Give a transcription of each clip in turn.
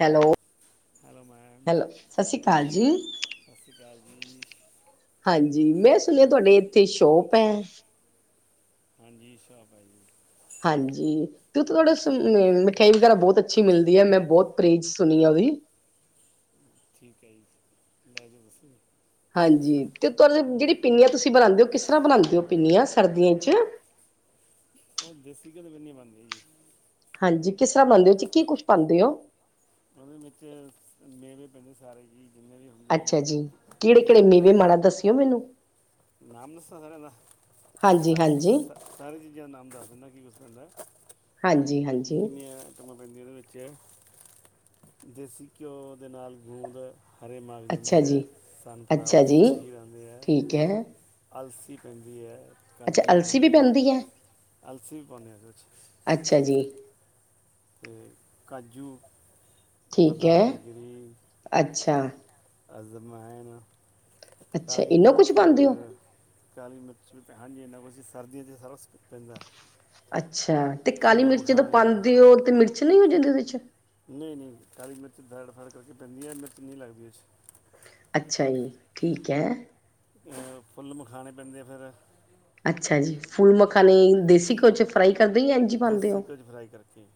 Hello, hello ma'am hello ਸਤਿ ਸ਼੍ਰੀ ਅਕਾਲ ਜੀ। ਸਤਿ ਸ਼੍ਰੀ ਅਕਾਲ ਜੀ। ਹਾਂਜੀ ਮੈਂ ਸੁਣਿਆ ਹੈਤੁਹਾਡੇ ਇੱਥੇ ਸ਼ੋਪ ਹੈ। ਹਾਂਜੀ, ਸ਼ਪ ਐ ਜੀ ਹਾਂਜੀ। ਤੇ ਉੱਥੇ ਥੋੜ੍ਹਾ ਮਿਠਿਆਾਈ ਵਗੈਰਾ ਬੋਤ ਅੱਛੀ ਮਿਲਦੀ ਹੈ, ਮੈਂ ਬੋਤ ਪਰੇਜ਼ ਸੁਣੀ ਆ ਉਹਦੀ ਠੀਕ ਹੈ, ਜੀ ਲੈ ਜਾਓ ਤੁਸੀਂ ਹਾਂਜੀ ਅਤੇ ਤੁਹਾਡੇ ਜਿਹੜੀ ਪਿੰਨੀਆਂ, ਤੁਸੀਂ ਬਣਾਂਦੇ ਹੋ ਕਿਸ ਤਰ੍ਹਾਂ ਬਣਾਂਦੇ ਹੋ, ਪਿੰਨੀਆਂ ਸਰਦੀਆਂ ਚ ਉਹ ਦੇਸੀ ਘਿਉ ਪਿੰਨੀ ਬਣਂਦੀ ਹੈ, ਜੀ ਹਾਂਜੀ ਕਿਸ ਤਰ੍ਹਾਂ ਬਣਾਂਦੇ ਚ ਕੀ ਕੁਛ ਪਾਉਂਦੇ ਹੋ ਉਹਦੇ ਵਿੱਚ ਮੇਵੇਂ ਪੈਂਦੇ ਸਾਰੇ ਜੀ ਜਿੰਨੇ ਵੀ ਹੁੰ ਅੱਛਾ ਜੀ ਕਿਹੜੇ -ਕਿਹੜੇ ਮੇਵੇ ਮਾੜਾ ਦੱਸਿਓ ਮੈਨੂੰ ਨਾਮ ਦੱਸਾ ਸਾਰਿਆਂ ਦਾ ਹਾਂਜੀ ਸ- ਹਾਂਜੀ ਸ ਸਾਰੇ ਚੀਜ਼ਾਂ ਦਾ ਨਾਮ ਦੱਸ ਦਿੰਦਾ ਕੀ ਕੁਛ ਪੈਂਦਾ ਹਾਂਜੀ -ਹਾਂਜੀ। ਪਿਨੀਆਂ ਮਾਂ ਪੈਂਦੀਆਂ, ਉਹਦੇ ਵਿੱਚ ਦੇਸੀ ਘਿਓ ਦੇ ਨਾਲ ਗੂੰਦ ਹਰੇ ਮਗਜ਼ ਅੱਛਾ ਹੁੰਦੇ ਹੈ, ਜੀ ਸਨਫਲਾਵਰ ਅੱਛਾ ਜੀ 'ਚ ਸੀ ਹੁੰ ਦੇ ਹੈ। ਠੀਕ ਹੈ। ਅਲਸੀ ਪੈਂਦੀ ਹੈ ਅੱਛਾ ਕਾਜੂ ਅਲਸੀ ਵੀ ਪੈਂਦੀ ਹੈ, ਅਲਸੀ ਵੀ ਪਾਉਦੇ ਹ ਕੁ ਅੱਛਾ ਜੀ। ਅਤੇ ਕਾਜੂ ਠੀਕ ਹੈ ਬਦਾਮ ਗਿਰੀ। ਅੱਛਾ। ਅਜ਼ਵਾਇਣ, ਅੱਛਾ ਕਾਲੀ ਇੰਨਾ ਕੁਛ ਮਿਰਚ ਪਾਉਂਦੇ ਹੋ ਕਾਲੀ ਮਿਰਚ ਹਾਂਜੀ, ਐਨਾ ਕੁਛ ਸਰਦੀਆਂ 'ਚ ਸਾਰਾ ਪੈਂਦਾ। ਅੱਛਾ, ਤੇ ਕਾਲੀ ਫੁੱਲ ਮਿਰਚ ਜਦੋਂ ਮਖਾਣੇ ਪਾਂਦੇ ਹੋ ਤੇ ਮਿਰਚ ਨਹੀਂ ਹੋ ਜਾਂਦੀ ਉਹਦੇ ਚ? ਨਹੀਂ -ਨਹੀਂ ਕਾਲੀ ਮਿਰਚ ਦੜ ਫਾੜ ਕਰਕੇ ਪੈਂਦੀਆ ਮਿਰਚ ਨਹੀਂ ਲਗਦੀ ਉਹਦੇ ਵਿਚ ਅੱਛਾ ਜੀ ਠੀਕ ਹੈ। ਫੁੱਲ ਮਖਾਣੇ ਪੈਂਦੇ ਆ ਫਿਰ ਅੱਛਾ ਜੀ, ਫੁਲ ਮਖਾਣੇ ਦੇਸੀ ਘਿਓ ਚ ਫਰਾਈ ਕਰਦੇ ਜਾਂ ਇੰਝ ਪਾਉਦੇ ਦੇਸੀ ਹੋ? ਕੁਝ ਫਰਾਈ ਕਰਕੇ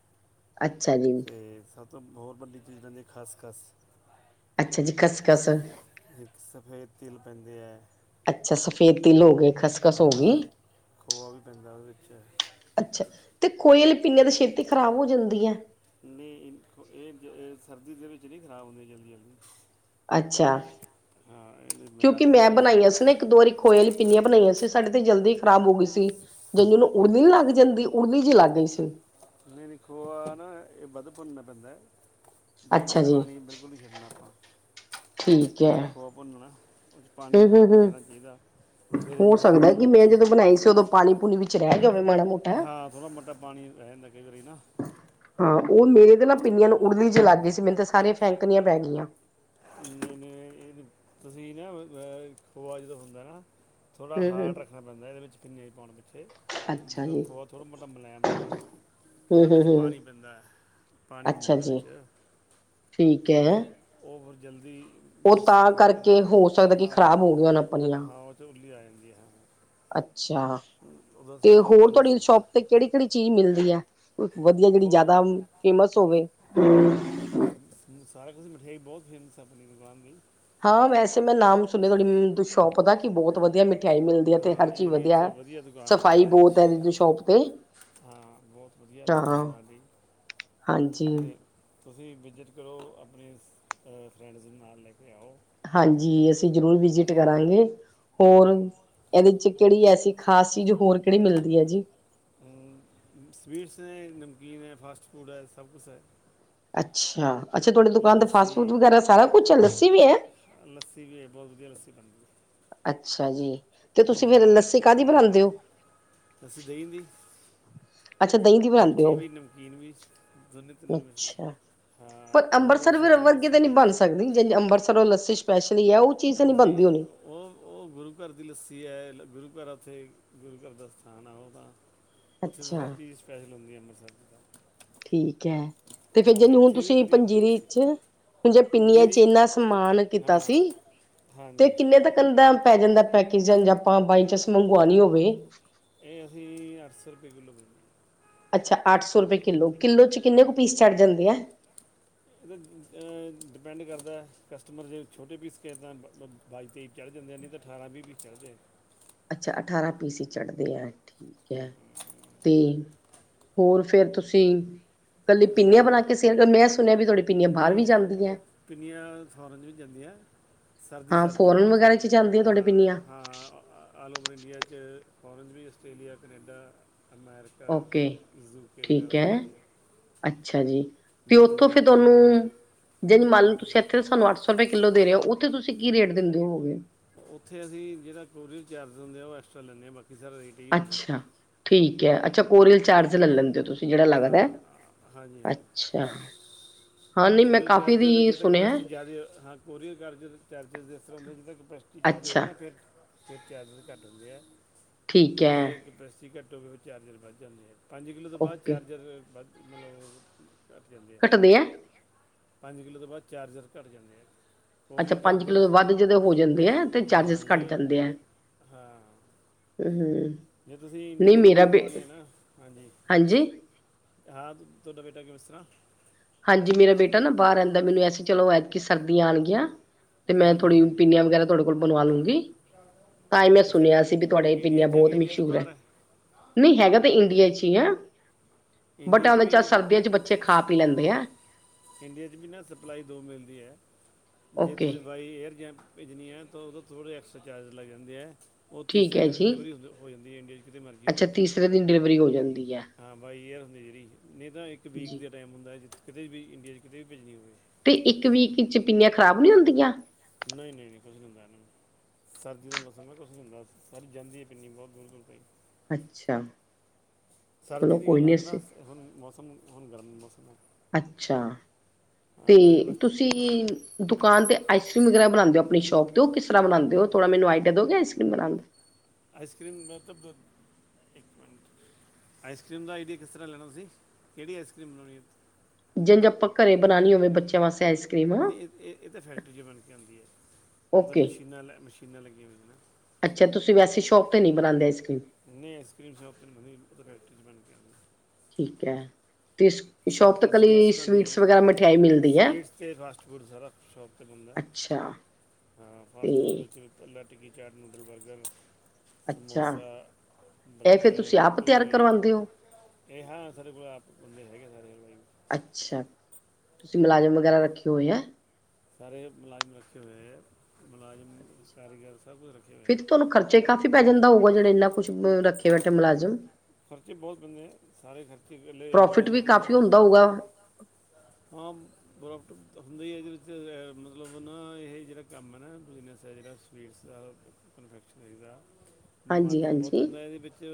ਅੱਛਾ ਜੀ ਤੇ ਸਭ ਤਾਂ ਹੋਰ ਵੱਡੀ ਚੀਜ਼ਾਂ ਜੇ ਖਸ- ਖਸ ਅੱਛਾ ਜੀ ਖਸਖਸ ਇੱਕ ਸਫੇਦ ਤਿਲ ਪੈਂਦੇ ਹੈ ਅੱਛਾ ਸਫੇਦ ਤਿਲ ਹੋ ਗਏ ਖਸਖਸ ਹੋ ਗਈ ਹਾਂ ਖੋਆ ਵੀ ਪੈਂਦਾ ਉਹਦੇ ਵਿੱਚ ਅੱਛਾ ਤੇ ਖੋਏ ਵਾਲੀਆਂ ਪਿੰਨੀਆਂ ਤੇ ਛੇਤੀ ਖ਼ਰਾਬ ਹੋ ਜਾਂਦੀ ਆ ਨਹੀਂ ਇਹ ਸਰਦੀ ਦੇ ਵਿੱਚ ਨਹੀਂ ਖਰਾਬ ਹੁੰਦੀਆਂ ਜਲਦੀ- ਜਲਦੀ ਅੱਛਾ, ਹਾਂ ਇਹਦੀ ਕਿਉਂਕਿ ਮਿਆਦ ਮੈਂ ਹੈਗੀ ਸਰ ਬਣਾਈਆਂ ਸੀ ਨਾ ਇੱਕ ਦੋ ਵਾਰੀ ਖੋਏ ਵਾਲੀ ਪਿੰਨੀਆਂ ਬਣਾਈਆਂ ਸੀ, ਸਾਡੇ ਤੇ ਜਲਦੀ ਖ਼ਰਾਬ ਹੋ ਗਈ ਸੀ। ਜਿ ਉਹਨੂੰ ਉੜਲੀ ਨੀ ਲੱਗ ਜਾਂਦੀ ਉੜਲੀ ਜ ਲੱਗ ਗਈ ਸੀ। ਨਹੀਂਨ ਖੋਆ ਨਾ ਇਹ ਬਧ ਭੁੰਨਣਾ ਪੈਂਦਾ। ਇਹਦੇ ਵਿੱਚ ਅੱਛਾ ਜੀ ਪਾਣੀ ਬਿਲਕੁਲ ਨਹੀਂ ਛੱਡਣਾ, ਆਪਾਂ ਠੀਕ ਹੈ ਜਦੋਂ ਖੋਆ ਭੁੰਨ ਨਾ ਹਮ -ਹਮ -ਹਮ ਫਿਰ ਇਹ ਹੋ ਨਹੀਂ ਖਰਾਬ ਸਕਦਾ ਨਹੀਂ ਕਿ ਮੈਂ ਪੈਣੀ ਜਦੋਂ ਬਣਾਈ ਸੀ ਉਦੋਂ ਪਾਣੀ ਪੂਣੀ ਵਿੱਚ ਰਹਿ ਗਿਆ ਹੋਵੇ ਮਾੜਾ ਮੋਟਾ। ਹਾਂ ਥੋੜਾ ਮੋਟਾ ਪਾਣੀ ਰੈ ਜਾਂਦਾ ਕਈ ਵਾਰੀ ਨਾ। ਹਾਂ ਓ ਮੇਰੇ 'ਤੇ ਨਾ ਪਿੰਨੀਆਂ ਨੂੰ ਉੜਲੀ ਜੀ ਲਾਗੀ ਸੀ ਮੈਨੂੰ ਤਾਂ ਸਾਰੀਆਂ ਫੈਂਕਣੀਆਂ ਪੈ ਗਈਆਂ। ਏ ਤੁਸੀ ਨਾ ਅ ਖੋਆ ਜਦੋਂ ਹੁੰਦਾ ਨਾ ਥੋੜਾ ਹੂੰ ਹੂੰ ਹਾਰਡ ਰੱਖਣਾ ਪੈਂਦਾ ਏਦੇ ਵਿੱਚ ਪਿੰਨੀਆਂ 'ਚ ਪਾਨ ਪਿੱਛੇ। ਅੱਛਾ ਜਦੋਂ ਜੀ ਖੋਆ ਥੋੜਾ ਮੋਟਾ ਮੁਲਾਇਮ ਰਹਿੰਦਾ ਨਾ ਹੂੰ ਉਦੇ ਹੂੰ ਵਿੱਚ ਹੂੰ ਪਾਣੀ ਪੈਂਦਾ, ਪਾਣੀ ਹੁੰਦਾ ਅੱਛਾ ਉਦੇ ਜੀ ਵਿੱਚ। ਠੀਕ ਐ। ਓ ਫੇਰ ਜਲਦੀ ਮੋਸਰੀ ਫੜ ਕੇ ਨਾ ਕਰਕੇ ਹੋ ਸਕਦਾ ਕਿ ਹਾਂ, ਖ਼ਰਾਬ ਹੋ ਗਈਆਂ ਹੋਣ ਆਪਣੀਆਂ। ਹਾਂ ਓ 'ਚ ਉੱਲੀ ਆ ਜਾਂਦੀ ਆ ਹਾਂ। ਅੱਛਾ ਉਦੋਂ 'ਤੇ ਸਰਦੀ ਹੋਰ ਤੋਂ ਤੁਹਾਡੀ ਵੈਸੇ ਸ਼ੋਪ 'ਤੇ ਕਿਹੜੀ-ਕਿਹੜੀ ਚੀਜ਼ ਮਿਲਦੀ ਆ ਵਧੀਆ ਜਿਹੜੀ ਹੋਰ ਜਿਆਦਾ ਫੇਮਸ ਹੋਵੇ? ਸਾਰਾ ਕੁਛ ਮਠਿਆਈ ਬੋਤ ਫੇਮਸ ਐ ਆਪਣੀ ਦੁਕਾਨ ਦੀ। ਹਾਂ ਵੈਸੇ ਮੈਂ ਨਾਮ ਸੁਣਿਆ ਤੁਹਾਡੀ ਮ ਸ਼ੋਪ ਦਾ ਕਿ ਬੋਤ ਵਧੀਆ ਮਿ ਠਿਆਈ ਮਿਲਦੀ ਐਥੇ ਹਰ ਹਾਂ ਚੀਜ਼ ਏਰੀਏ 'ਚ ਵਧੀਆ, ਦੁਕਾਨ ਆ ਆਪਣੀ ਸਫ਼ਾਈ ਏਰੀਏ ਬੋਤ ਐ ਏਦੀ ਦੀ 'ਚ ਸ਼ੋਪ 'ਤੇ। ਹਾਂ ਬੋਤ ਵਧੀਆ ਹਾਂ। ਦੁਕਾਨ ਆਲੀ। ਹਾਂਜੀ। ਤੁਸੀਂ ਵਿਜਿਟ ਕਰੋ ਆਪਣੇ ਅ ਫਰੈਂਡਸ ਨੂੰ ਨਾਲ ਲੈ ਕੇ ਆਓ। ਹਾਂਜੀ ਅਸੀਂ ਜ਼ਰੂਰ ਹਾਂ ਵਿਜਿਟ ਕਰਾਂਗੇ, ਹੋਰ ਏਦੇ 'ਚ ਕਿਹੜੀ ਐਸੀ ਖਾਸ ਚੀਜ਼ ਹੋਰ ਕਿਹੜੀ ਮਿਲਦੀ ਐ ਜੀ? ਸਵੀਟਸ ਨੇ, ਨਮਕੀਨ ਏ, ਫਾਸਟ ਫੂਡ ਐ ਸਭ ਕੁਛ ਐ। ਅੱਛਾ, ਅੱਛਾ ਤੁਹਾਡੀ ਦੁਕਾਨ 'ਤੇ ਲੱਸੀ ਫਾਸਟ ਫੂਡ ਵਗੈਰਾ ਸਾਰਾ ਕੁਛ ਐ ਲੱਸੀ ਵੀ ਐ? ਲੱਸੀ ਵੀ ਐ ਬੋਤ ਵਧੀਆ ਲੱਸੀ ਬਣਦੀ। ਅੱਛਾ ਜੀ 'ਤੇ ਤੁਸੀਂ ਫੇਰ ਲੱਸੀ ਕਾਦੀ ਬਣਾਂਦੇ ਓ? ਲੱਸੀ ਦਈ ਦੀ। ਅੱਛਾ ਦਹੀਂ ਦੀ ਬਣਾਉਂਦੇ ਮਿੱਠੀ ਹੋ ਵੀ, ਨਮਕੀਨ ਵੀ ਦੋਨੇ-ਤਿੰਨੇ ਮ। ਅੱਛਾ। ਪਰ ਹਾਂ ਅੰਮ੍ਰਿਤਸਰ ਵੀ ਰਵਵਸਾ ਆਲੀ ਵਰਗੀ ਤਾਂ ਨਹੀਂ ਲੱਸੀ। ਬਣ ਸਕਦੀ ਜਿੰਝ ਅੰਬਰਸਰੋਂ ਲੱਸੀ ਸਪੈਸ਼ਲੀ ਐ ਓ ਨਈ ਓ, ਓ ਗੁਰੂ ਘਰ ਦੀ ਲੱਸੀ ਐ ਗੁਰੂ ਘਰ ਆ ਉੱਥੇ ਗੁਰੂ ਘਰ ਦਾ ਸਥਾਨ ਆ ਓ ਤਾਂ, ਉੱਥੇ ਤਾਂ ਹਰ ਅੱਛਾ ਚੀਜ਼ ਸਪੈਸ਼ਲ ਹੁੰਦੀ ਐ ਅੰਮਬਰਸਰ ਦੀ ਤਾਂ। ਠੀਕ ਐ 'ਤੇ ਫੇਰ ਹਾਂ ਜਿਨ ਹੁਣ ਇੱਥੇ ਵੀ ਤੁਸੀਂ ਵਧੀਆ ਹੁੰਦੀ ਹੈ ਪੰਜੀਰੀ ਲੱਸੀ 'ਚ ਹੁਣ ਜੇ ਪਿੰਨੀਆਂ 'ਚ ਪੰਜੀਰੀ ਇੰਨਾ ਸਮਾਨ ਕੀਤਾ ਹਾਂ ਸੀ 'ਤੇ ਹਾਂਜੀ ਕਿੰਨੇ ਤੱਕ ਨ ਦਾ ਪੈ ਜਾਂਦਾ? ਪੈਕਜ ਜਾਂ ਆਪਾਂ ਬਾਈ ਚਸ ਮੰਗਵਾਣੀ ਹੋਵੇ। ਏ ਅਸੀਂ ਅੱਠ ਸੋਂ ਰੁਪਏ ਕਿੱਲੋ ਵੇ। ਅੱਛਾ ਅੱਠ ਸੌ ਰੁਪਏ ਕਿੱਲੋ, ਕਿੱਲੋ 'ਚ ਕਿੰਨੇ ਕੁ ਪੀਸ ਚੜ ਜਾਂਦੇ ਐ? ਏਤਾਂ ਅ ਡਿਪੈਂਡ ਕਰਦਾ ਐ ਕਸਟਮਰ ਜੇ ਛੋਟੇ ਪੀਸ ਕੇ ਕੇਂਦਾ ਬ ਬਾਈ-ਤੇਈ ਚੜ ਜਾਂਦੇ ਨੀ ਤਾਂ ਠਾਰਾ-ਵੀਹ ਪੀ ਚੜਦੈ। ਅੱਛਾ ਅਠਾਰਾਂ ਪੀਸ ਈ ਚੜਦੇ ਐ ਠੀਕ ਐ 'ਤੇ ਹੋਰ ਫੇਰ ਤੁਸੀਂ ਕੱਲੇ ਹੋ ਪਿੰਨੀਆਂ ਬਣਾ ਕੇ ਸੇਲ ਕਰਨੇ ਆ ਮੈਂ ਸੁਣਿਆ ਵੀ ਤੋਡੀ ਪਿੰਨੀਆਂ ਬਾਰ ਵੀ ਨਹੀਂ ਜਾਂਦੀ ਐ। ਪਿੰਨੀਆਂ ਫੌਰਨ 'ਚ ਵੀ ਜਾਂਦੀ ਐ। ਹਾਂ ਸਰਦੀ-ਸਰਦੀ ਦੇ ਫੋਰਨ ਵਿੱਚ ਵਗੈਰਾ ਚ ਜਾਂਦੀਆਂ ਤੁਹਾਡੇ ਹਾਂ, ਪਿੰਨੀਆਂ ਹਾਂ ਆਲ ਓਵਰ ਇੰਡੀਆ ਚ, ਫੋਰਨਜ ਵੀ Australia, Canada, America, okay UK ਠੀਕ ਵਗੈਰਾ ਹੈ ਜਾਂਦੀਆ। ਅੱਛਾ ਜੀ‌ 'ਤੇ ਉਥੋਂ ਫੇਰ ਵੀ ਜਾਂਦੀਆਂ ਥੋਨੂੰ ਜਾਣੀ ਮੰਨ ਲੋ ਤੁਸੀਂ ਐਥੇ ਸਾਨੂੰ ਅੱਠ ਸੌ ਰੁਪਏ ਕਿੱਲੋ ਦੇ ਰੇ ਓ ਉੱਥੇ ਤੁਸੀਂ ਕੀ ਰੇਟ ਦਿੰਦੇ ਹੋਵੋਗੇ? ਉੱਥੇ ਅਸੀਂ ਜੇੜਾ ਕੋਰੀਅਰ ਚਾਰਜ ਹੁੰਦੇ, ਓ ਐਕਸਟਰਾ ਲੈਂਨੇ, ਬਾਕੀ ਸਾਰਾ ਹੀ ਹੁੰਦਾ ਅੱਛਾ, ਠੀਕ ਐ ਅੱਛਾ ਕੋਰੀਅਲ ਚਾਰਜ ਲੈ ਲੈਂਦੇ ਓ ਤੁਸੀਂ ਜੇੜਾ ਹਾਂ ਲੱਗਦੈ, ਹਾਂਜੀ ਅੱਛਾ। ਹਾਂ ਨਈ ਮੈਂ ਕੋਰੀਅਆ ਕਾਫ਼ੀ ਚਾਰਜਰ ਦੀ ਜੀਦਾ ਸੁਣਿਆ ਕਪੈਸਿਟੀ ਜਾਦੀ ਹਾਂ, ਕੋਰੀਅਰ ਕਾਰਜਰ, ਚਾਰਜਰ ਇਸ ਤਰਾ ਦੇਦਾ ਜਿਦਾ ਕਪੈ ਟੀ ਯਾਦੇ ਹੋਵੇ ਅੱਛਾ ਨਾ ਫੇਰ ਫੇਰ ਚਾਰਜਰ ਘੱਟ ਹੁੰਦੇ ਆ, ਠੀਕ ਐ, ਜੇ ਕਪੈਸਿਟੀ ਘੱਟ ਹੋਵੇ ਫੇਰ ਚਾਰਜਰ ਵੱਧ ਜਾਂਦੇ ਆ। ਪੰਜ ਕਿੱਲੋ ਤੋਂ ਬਾਦ ਓਕੇ ਚਾਰਜਰ ਵ ਮਲਬ ਘਟ ਜਾਂਦੈ ਦੀ ਐ ਪੰਜ ਕਿੱਲੋ ਤੋਂ ਬਾਦ ਚਾਰਜਰ ਘਟ ਜਾਂਦੇ ਆ। ਅੱਛਾ ਕੋਰੀਅਰ ਪੰਜ ਕਿੱਲੋ ਚਾਰਜਰ ਤੋ ਵੱਧ ਜਦੋਂ ਹੋ ਜਾਂਦੇ ਆ ਤੇ ਹਾਂ ਚਾਰਜਿਸ ਜੇ ਘੱਟ ਜਾਂਦੇ ਐ। ਹਾਂ ਹੂੰ। ਜੇ ਤੁਸੀਂ ਨਈ ਇੰਡੀਆ ਚ ਵੀ ਮੇਰਾ ਬੇ ਮੰਗਵਾਣੀ ਆ ਨਾ, ਹਾਂਜੀ। ਹਾਂਜੀ? ਹਾਂ ਤੋਡਾ ਬੇਟਾ ਕਿ ਕਿਵਸਤਰਾ ਹਾਂਜੀ ਮੇਰਾ ਬੇਟਾ ਨਾ ਬਾਰ ਰੈਂਦਾ, ਮੈਨੂੰ ਐ ਸੀ ਚਲੋ ਐਤਕੀ ਸਰਦੀਆਂ ਆਣਗੀਆਂ ਤੇ ਮੈਂ ਹਾਂਜੀ ਥੋੜੀ ਹਾਂਜੀ ਪਿੰਨੀਆਂ ਵਗੈਰਾ ਤੁਆਡੇ ਕੋਲ ਬਣਵਾ ਲੂੰਗੀ। ਤਾਂ ਈ ਮੈਂ ਕਿੱਥੇ ਸੁਣਿਆ ਸੀ ਵੀ ਤੁਆਡੇ ਇੰਡੀਆ ਪਿੰਨੀਆਂ 'ਚ ਹੈ ਬੋਤ ਕਿ ਇੰਡੀਆ ਤੋਂ ਮਸ਼ਹੂਰ ਐ। ਬਾਹਰ ਹੈ ਨਈ ਹੈਗਾ ਤਾਂ ਇੰਡੀਆ ਚ ਈ ਆ। ਬਟ ਇੰਡੀਆ ਚ ਉਹਦੇ ਵੀ ਸਰਦੀਆਂ ਚ ਬੱਚੇ ਖਾ ਪੀ ਲੈਂਦੇ ਆ ਇੰਡੀਆ ਚ ਵੀ ਨਾ ਸਪਲਾਈ ਦੋ ਮਿਲਦੀ ਐ, ਜੇ ਓਕੇ ਤੁਸੀਂ ਬਾਈ ਏਅਰ ਜ ਭੇਜਣੀ ਆ ਤੋ ਓਦੋ ਥੋੜੇ ਐਕਸਟਰਾ ਚਾਰਜ ਲੱਗ ਜਾਂਦੇ ਆ। ਓ ਠੀਕ ਤੀਸਰੇ ਹੈ ਦਿਨ ਜੀ ਡਿਲੀਵਰੀ ਹੁੰ ਹੋ ਜਾਂਦੀ ਆ ਇੰਡੀਆ ਚ, ਕਿਤੇ ਮਰਜ਼ੀ ਹੋਵੇ। [unintelligible] ਡਲੇਵਰੀ ਹੋ ਜਾਂਦੀ ਐ। ਹਾਂ ਬਾਈ ਏਅਰ ਹੁੰਦੀ ਜੇੜੀ, ਨਈ ਤਾਂ ਇੱਕ ਵੀਕ ਜੀ ਦੇ ਟਾਈਮ ਹੁੰਦਾ ਜੇ ਕਿਤੇ ਵੀ ਇੰਡੀਆ ਚ ਕਿਤੇ ਵੀ ਭੇਜਣੀ ਹੋਵੇ। ਤੇ ਇੱਕ ਵੀਕ ਚ ਪਿੰਨੀਆਂ ਖਰਾਬ ਨੀ ਹੁੰਦੀਆਂ? ਨਈ -ਨਈ ਕੁਛ ਨੀ ਹੁੰਦਾ ਏਨੂ ਸਰਦੀ ਦਾ ਮੌਸਮ ਬਹੁਤ ਖੁਸ਼ਕ ਹੁੰਦਾ, ਠਰ ਜਾਂਦੀ ਏ ਪਿੰਨੀ ਬੌਤ ਗੋਲ-ਗੋਲ ਪਈ। ਅੱਛਾ। ਚਲੋ ਸਰਦੀ ਦੀ ਕੋਈ ਗੱਲ ਨੀ ਹੁੰਦੀ ਨਾ ਅਸੀਂ ਹੁਣ ਮੌਸਮ, ਹੁਣ ਗਰਮ ਮੌਸਮ ਐ। ਅੱਛਾ। ਹਾਂ ਐ ਬਸ ਤੌਈਂ, ਦੁਕਾਨ ਤੇ ਆਈਕ੍ਰੀਮ ਵਗੈਰਾ ਬਣਾਦੇ ਓ ਆਪਨੀ ਸ਼ੋਪ ਤੇ, ਓਹ ਕਿਸ ਤਰਾਂ ਬਣਾਂਦੇ ਓ ਥੋੜਾ ਮੈਨੂੰ ਆਡੀਆ ਦਓਗੇ। [unintelligible] ਆਈਸ ਕਰ੍ਰੀਮ ਮੈ ਤਬ ਇੱਕ ਮਿੰਟ ਆਈਸਕ੍ਰੀਮ ਦਾ ਆਈਡੀਆ ਕਿਸ ਤਰ੍ਹਾਂ ਲੈਣਾ ਤੁਸੀਂ, ਕਿਹੜੀ ਆਈਸਕੀਮ ਬਣਾਉਣੀ ਆ। ਜਿਨਜ ਆਪਾਂ ਘਰੇ ਬਣਾਣੀ ਹੋਵੇ ਬੱਚਿਆਂ ਵਾਸਤੇ ਆਈਸ ਕਰ੍ਰੀਮ ਨਹੀਂ ਏ ਏ ਤੇ ਫੈਕਟਰੀ ਚ ਬਣ ਕੇ ਆਂਦੀ ਐ, ਉਨ ਤਾਂ ਓਕੇ ਮਸ਼ੀਨਾਂ ਲੈ ਮਸ਼ੀਨਾਂ ਲੱਗੀਆਂ ਹੋਈਆਂ ਨ। ਅੱਛਾ ਤੁਸੀਂ ਵੇਸੇ ਸ਼ੋਪ ਤੇ ਨਹੀਂ ਬਣਾਂਦੇ ਆਈਸਕੀਮ। ਨ ਆਈਸ ਕਰ੍ਰੀਮ ਸ਼ੋਪ ਤੇ ਨਹੀਂ ਬਣਦੀ, ਡਾਰੇਕਟ ਬਨਕੇ ਆ ਠੀਕ ਐ, ਤੇਸ ਸ਼ੋਪ 'ਤੇ ਸਵੀਟਸ ਬਣਦੀਆਂ, ਮਿਲਦੀ ਹੈ ਸਵੀਟਸ ਅਤੇ ਫਾਸਟ- ਫੂਡ ਸਾਰਾ ਸ਼ੋਪ ਤੇ ਬਣਦਾ। ਅੱਛਾ ਹਾਂ ਫਾਸਟ- ਫੂਡ ਤੇ ਵਿੱਚ ਪਲਾ ਟਿੱਕੀ, ਚੈਟ, ਨੂਡਲ ਬਰਗਰ। ਅੱਛਾ ਸਮੋਸਾ, ਇਹ ਬ੍ਰੈੱਡ, ਫਿਰ ਤੁਸੀਂ ਆਪ ਤਿਆਰ ਪਟੂਰੇ ਕਰਵਾਉਂਦੇ ਹੋ ਇਹ ਹਾਂ ਸਾਡੇ ਕੋਲ ਆਪ ਬੰਦੇ ਹੈਗੇ। ਬਾਏ, ਅੱਛਾ ਤੁਸੀਂ ਮੁਲਾਜ਼ਮ ਵਗੈਰਾ ਰੱਖੇ ਹੋਏ ਹੈ। ਸਾਰੇ ਮੁਲਾਜ਼ਮ ਰੱਖੇ ਹੋਏ ਹੈ ਮੁਲਾਜ਼ਮ ਕਾਰੀਗਰ ਸਭ ਕੁਛ ਰੱਖੇ ਹੋਏ ਹੈ ਫਿਰ ਤੇ ਤੁਹਾਨੂੰ ਖਰਚਾ ਹੀ ਕਾਫ਼ੀ ਪੈ ਜਾਂਦਾ ਹੋਊਗਾ ਜਿਹੜੇ ਇਨਾ ਕੁਜ ਰੱਖੇ ਬੈਠੇ ਓ ਮੁਲਾਜ਼ਮ। ਖਰਚੇ ਬਹੁਤ ਹੁੰਦੇ ਆ ਸਾਰੇ ਖਰਚੇ ਇਕੱਲੇ ਪ੍ਰੋਫਿਟ ਹਲਵਾਈਆਂ ਵੀ ਦੇ ਕਾਫ਼ੀ ਖਰਚ ਹੁੰਦਾ ਹੋਊਗਾ। ਹਾਂ, ਪਰੋਫਿਟ ਹੁੰਦਾ ਹੀ ਇਹਦੇ ਵਿੱਚ ਮਤਲਬ ਨਾ ਇਹ ਜਿਹੜਾ ਕੰਮ ਹੈ ਨਾ ਬਿਜ਼ਨਸ ਹੈ ਜਿਹੜਾ। ਵੀਰ ਸਾਹਿਬ ਪਰਫੇਟ ਪੈਦਾ, ਹਾਂਜੀ ਮਾਰਜਨ ਬਹੁਤ ਹਾਂਜੀ ਹੁੰਦਾ ਇਹਦੇ ਵਿੱਚ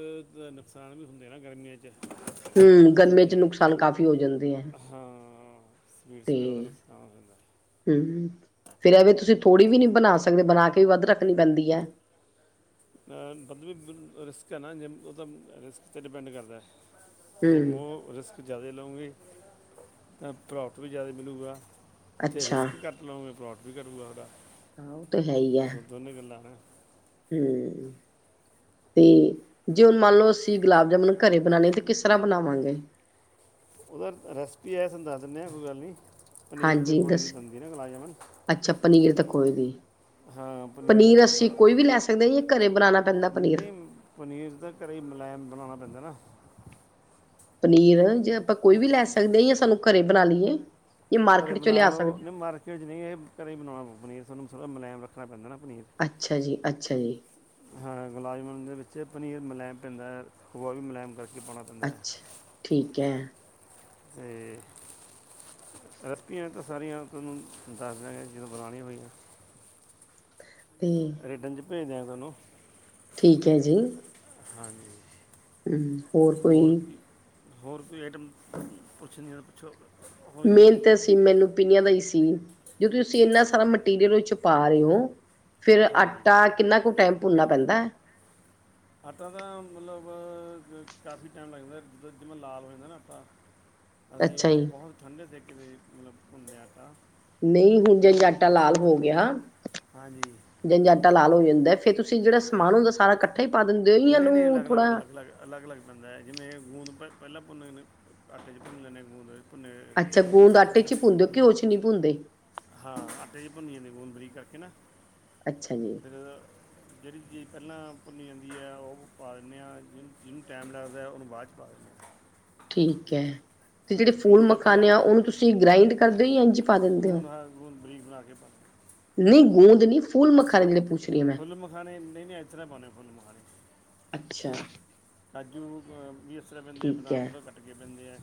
ਨੁਕਸਾਨ ਵੀ ਹੁੰਦੇ ਨਾ ਗਰਮੀਆਂ ਚ, ਹੂੰ, ਗਰਮੀਆਂ ਚ ਚੀਜ਼ਾਂ ਨੁਕਸਾਨ ਕਾਫ਼ੀ ਹੋ ਜਾਂਦੇ ਹੈ। ਹਾਂ ਸਵੀਟਸ ਵਗੈਰਾ ਦਾ ਰਸਤਾ ਹੁੰਦਾ। ਹੁ ਫਿਰ ਐਵੇਂ ਤੁਸੀਂ ਥੋੜ੍ਹੀ ਵੀ ਨੀ ਬਣਾ ਸਕਦੇ ਬਣਾ ਕੇ ਵੀ ਵੱਧ ਰੱਖਣੀ ਪੈਂਦੀ ਹੈ। ਅ ਫਬਲ [unintelligible] ਰਿਸਕ ਹੈ ਨਾ ਉਹਦਾ ਰਿਸਕ ਤੇ ਡਿਪੈਂਡ ਕਰਦਾ ਹੈ। ਜੇ ਹਮ ਮੋਰ ਰਿਸ਼ਕ, ਜ਼ਿਆਦੇ ਲਉਂਗੇ ਤਾਂ ਪ੍ਰੋਫਿਟ ਵੀ ਜ਼ਿਆਦਾ ਮਿਲਲੇਗਾ ਜੇ ਅੱਛਾ ਰਿਸਕ ਘੱਟ, ਲਓਗੇ ਪਰੱਫਿਟ ਵੀ ਘਟੁਗਾ ਓਹਦਾ। ਉਹ ਤਾਂ ਹੈ ਹੀ ਆ। ਦੋਨੇ ਗੱਲਾਂ ਹੈ। ਹੂੰ। ਤੇ ਜੇ ਮੰਨ ਲਓ ਅਸੀਂ ਗੁਲਾਬ ਜਾਮੁਨ ਘਰੇ ਬਣਾਉਣੇ ਤੇ ਕਿਸ ਤਰ੍ਹਾਂ ਬਣਾਵਾਂਗੇ। ਉਹਦਾ ਰੈਸਪੀ ਹੈ ਤੁਹਾਨੂੰ ਦੱਸ ਦਿੰਦੇ ਹਾਂ ਕੋਈ ਗੱਲ ਨਹੀ। ਪਨੀਰ ਤੇ ਹਾਂਜੀ ਖੋਏ ਦੀ ਦੱਸ ਬਣਦੀ ਆ ਨਾ ਗਲਾਜਮਨ। ਅੱਛਾ ਪਨੀਰ ਤਾਂ ਕੋਈ ਨੀ ਹਾਂ ਪਨੀਰ ਬ ਅਸੀਂ ਕੋਈ ਵੀ ਲੈ ਸਕਦੇ ਹਾਂ ਜਾਂ ਘਰੇ ਬਣਾਉਣਾ ਪੈਂਦਾ ਪਨੀਰ ਨਹੀਂ, ਪਨੀਰ ਤਾਂ ਘਰੇ ਹੀ ਮਲਾਮ ਬਣਾਉਣਾ ਪੈਂਦਾ ਨਾ। ਪਨੀਰ ਜੇ ਆਪਾਂ ਕੋਈ ਵੀ ਲੈ ਸਕਦੇ ਹਾਂ ਜਾ ਸਾਨੂੰ ਘਰੇ ਬਣਾ ਲਈਏ। ਜਾਂ ਘਰ ਮਾਰਕੀਟ ਚੋਂ ਬਣਾ ਲਿਆ ਲਉ ਸਕਦੇ ਨਹੀਂ ਮਾਰਕੀਟ ਚ ਨਹੀਂ ਇਹ ਘਰ ਹੀ ਬਣਾਉਣਾ ਪੋਉ ਪਨੀਰ ਸਾਹਾਨੂੰ ਮੁਲਾਇਮ ਰੱਖਣਾ ਪੈਂਦਾ ਨਾ ਪਨੀਰ। ਅੱਛਾ ਜੀ, ਅੱਛਾ ਜੀ। ਹਾਂ ਗੁਲਾਬ ਜਾਮੁਨ ਦੇ ਵਿੱਚ ਪਨੀਰ ਮੁਿਲਾਇਮ ਪੈਂਦਾ ਹੈ ਖੋਆ ਵੀ ਮੁਲਾਇਮ ਕਰਕੇ ਪਾਉਣਾ। ਪੈਂਦਾ ਅੱਛਾ, ਠੀਕ ਹੈ। ਏ, ਰਸਪੀਆਂ ਤਾਂ ਸਾਰੀਆਂ ਤੁਹਾਨੂੰ ਦੱਸ ਦਿਆਂਗੇ ਜਦੋਂ ਬਣਾਉਣੀਆਂ ਹੋਈਆਂ। ਤੇ ਰਿਟਰਨ ਚ ਭੇਜ ਦਿਆਂ ਤੁਹਾਨੂੰ, ਠੀਕ ਹੈ ਜੀ। ਹਾਂਜੀ, ਹਮ ਕੋਈ ਹੋਰ ਕੀ, ਹੋਰ ਕੋਈ ਆਈਟਮ ਪੁੱਛਨੀਆ ਪੁੱਛੋ? ਹੋਰ ਜੀ ਮੇਨ ਤੇ ਸੀ ਮੈਨੂੰ ਪਿੰਨੀਆਂ ਦਾ ਹੀ ਸੀ ਜਦੋਂ ਤੁਸੀਂ ਇੰਨਾ ਸਾਰਾ ਮਟੀਰੀਅਲ ਚ ਪਾ ਰਹੇ ਹੋ, ਫੇਰ ਹਾਂਜੀ ਆਟਾ ਕਿੰਨਾ ਕ ਟਾਈਮ ਭੁੰਨਨਾ ਪੈਂਦਾ। ਆਟਾ ਤਾਂ ਮਤਲਬ ਕਾਫੀ ਟਾਈਮ ਲੱਗਦਾ ਜਿੱਦਾ ਜਿਵੇਂ ਲਾਲ ਹੋ ਜਾਂਦਾ ਨਾ ਆਟਾ। [unintelligible] ਅਸੀਂ ਉਹ ਜੀ ਬਹੁਤ ਠੰਡੇ ਦੇ ਕੇ ਮਤਲਬ ਘੁੰਮਿਆ ਆਟਾ। ਨਹੀਂ ਹੁਣ ਜੇ ਕਿਉਂ ਆਟਾ ਲਾਲ ਹੋ ਗਿਆ। ਹਾਂਜੀ ਜਦੋ ਆਟਾ ਲਾਲ ਹੋ ਜਾਂਦਾ ਫੇਰ ਤੁਸੀਂ ਜਿਹੜਾ ਸਮਾਨ ਹੁੰਦਾ ਸਾਰਾ ਇਕੱਠਾ ਹੀ ਪਾ ਦਿੰਦੇ ਹੋ ਜਾ ਇਹਨੂੰ ਥੋੜਾ ਅਲੱਗ-ਅਲੱਗ ਪੈਂਦਾ ਹੈ ਜਿਵੇਂ ਗੂੰੰਦ ਪ ਪਹਿਲਾਂ ਭੁੰਨ ਆਟੇ ਚ ਭੁੰਨ ਲੈਂਦੇ ਆ ਗੂੰੰਦ ਭੁਨੇ [unintelligible] ਅੱਛਾ ਆਪਨੇ ਗੂੰਦ ਦੇਦੇ ਆਟੇ ਨਾ। ਚ ਹੀ ਭੁੰਨਦੇ ਹੋ ਘਿਓ ਚ ਨਹੀਂ ਭੁੰਨਦੇ ਹਾਂ ਆਟੇ ਚ ਭੁੰਨੀਏ ਨੇ ਗੂਨ ਬਰੀਕ ਕਰਕੇ ਨਾ ਅੱਛਾ ਜੀ ਫੇਰ ਜੇਹੜੀ ਚੀਜ਼ ਪਹਿਲਾਂ ਭੁੱਨੀ ਜਾਂਦੀ ਹੈ ਉਹ ਪਾਨੇ ਆ ਜਿਹਨ ਜਿਹਨੂੰ ਟਾਈਮ ਲੱਗਦਾ ਉਹਨੂੰ ਬਾਅਦ 'ਚ ਪਾ ਦਿੰਦੇ ਆ ਠੀਕ ਹੈ ਤੇ ਜਿਹੜੇ ਕੋਈ ਫੂਲ ਚੀਜ਼ਾਂ ਪਹਿਲਾਂ ਮਖਾਨੇ ਆ ਉਹਨੂੰ ਤੁਸੀਂ ਗ੍ਰਾਇੰਡ ਕਰਦੇ ਯਾ ਇੰਝ ਪਾ ਦਿੰਦੇ ਹੋ ਗੂੰਦ ਹਾਂ ਗੂੰਦ ਬਰੀਕ ਬਣਾ ਕੇ ਪਾ ਨੀ ਗੂੰਦ ਨੀ ਫੂਲ ਮਖਾਨੇ ਜਿਹੜ ਪੁੱਛ ਰਹੀ ਹਾਂ ਮੈਂ ਫੁੱਲ ਮਖਾਨਣੇ ਨਹੀਂ ਨੀ ਏਸਰਾ ਪਾਨੇ ਆ ਫੁੱਲ ਮਖਾਨੇ ਅੱਛਾ ਕਾਜੂ ਵੀ ਇਸਰਾ ਪੈਂਦੇ ਆ ਠੀਕ ਬਦਾਮ ਹੈ ਥੋੜ੍ਹਾ ਕੱਟ ਕੇ ਪੈਂਦੇ ਐ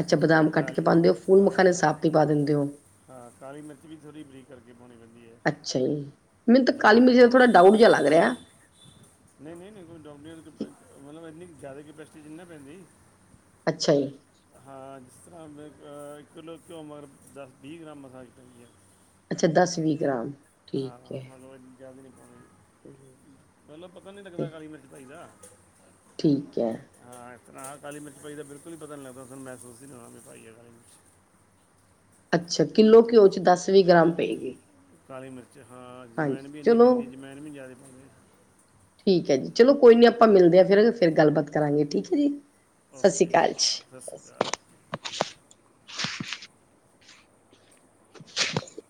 ਅੱਛਾ ਬਦਾਮ ਕੱਟ ਕੇ ਪਾੰਦੇ ਔ ਫੁਲ ਮਖਾਣੇ ਸਾਬਤ ਈ ਪਾ ਦਿੰਦੇ ਔ ਹਾਂ ਕਾਲੀ ਮਿਰਚ ਵੀ ਥੋੜ੍ਹੀ ਬਰੀਕ ਕਰਕੇ ਪਾਉਣੀ ਪੈਂਦੀ ਏ ਅੱਛਾ ਜੀ ਮੈਨੂੰ ਤਾਂ ਜੇ ਕਾਲੀ ਮੈਂ ਮਿਰਚ ਦਾ ਥੋੜਾ ਡਾਊਟ ਜਿਹਾ ਲੱਗ ਰੇਆ ਨਹੀ ਨਹੀ ਨਹੀ ਕੋਈ ਡਾੳਟ ਨੀ ਮਤਲਬ ਏਨੀ ਜ਼ਿਆਦਾ ਕਪੈਸਿਟੀ ਜੀ ਨਹੀਂ ਨਾ ਪੈਂਦੀ ਅੱਛਾ ਜੀ ਹਾਂ ਜਿਸ ਤਰ੍ਹਾਂ ਮੈਂ ਕਿੱਲੋ ਕਿਉਂ ਮਗਰ ਦਸ ਵੀਹ ਗ੍ਰਾਮ ਮਸਾਲ ਚਾਹੀਏ ਅੱਛਾ ਦਸ ਵੀਹ ਗ੍ਰਾਮ ਹਾਂ ਠੀਕ ਹੈ ਮਤਲਬ ਜਾਆਦ ਨਹੀਂ ਪਾਉਣੀ [unintelligible] ਚਲੋ ਪਤਾ ਨਹੀਂ ਲੱਗਦਾ ਤੇ ਕਾਲੀ ਮਿਰਚ ਪਾਈਦਾ ਠੀਕ ਐ ਹਾਂ ਇਸ ਤਰ੍ਹਾਂ ਕੀ ਕਾਲੀ ਮਿਰਚ ਪਾਈ ਦਾ ਬਿਲਕੁਲ ਈ ਪਤਾ ਨਹੀਂ ਲੱਗਦਾ ਤੋਹਾਨੂੰ ਮਹਿਸੂਸ ਹੀ ਨਹੀਂ ਹੋਣਾ ਵੀ ਪਾਈ ਆ ਕਾਲੀ ਮਿਰਚ ਅੱਛਾ ਕਿੱਲੋ ਘਿਓ 'ਚ ਦਸ ਵੀਹ ਗ੍ਰਾਮ ਪਏਗੀ ਕਾਲੀ ਮਿਰਚ ਹਾਂ ਹਾਂਜੀ ਜਵੈਣ ਵੀ ਇੰਨੀ ਚਲੋ ਪੈਂਦੀ ਜਵੈਣ ਵੀ ਜ਼ਿਆਦਾ ਪਉਂਨੀ ਠੀਕ ਹੈ ਜੀ ਚਲੋ ਕੋਈ ਨੀ ਆਪਾਂ ਮਿਲਦੇ ਹਾਂ ਫਿਰ ਫਿਰ ਗੱਲਬਾਤ ਕਰਾਂਗੇ ਠੀਕ ਹੈ ਜੀ-' ਸਤਿ ਸ਼੍ਰੀ ਓਕੇ ਜੀ ਅਕਾਲ ਓਕੇ ਸਤਿ ਜੀ ਸ਼੍ਰੀ ਅਕਾਲ [unintelligible]